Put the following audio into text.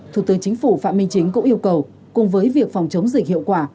thủ tướng chính phủ phạm minh chính cũng yêu cầu cùng với việc phòng chống dịch hiệu quả